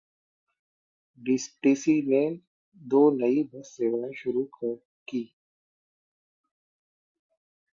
DTC ने दो नई बस सेवाएं शुरू कीं